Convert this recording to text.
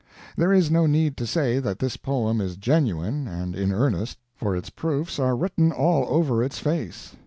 There is no need to say that this poem is genuine and in earnest, for its proofs are written all over its face.